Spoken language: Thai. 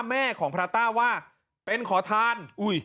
แม่ของพระต้าว่าเป็นขอทาน